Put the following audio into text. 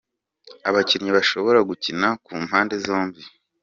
Abakinnyi bashobora gukina ku mpande zombi.